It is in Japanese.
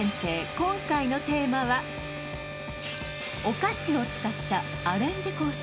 今回のテーマはお菓子を使ったアレンジコース